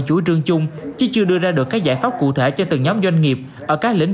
chủ trương chung chứ chưa đưa ra được các giải pháp cụ thể cho từng nhóm doanh nghiệp ở các lĩnh